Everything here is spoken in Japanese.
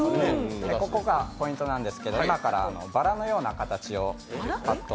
ここがポイントなんですけど、今から、バラのような形を。